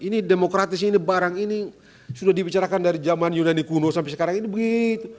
ini demokratis ini barang ini sudah dibicarakan dari zaman yunani kuno sampai sekarang ini begitu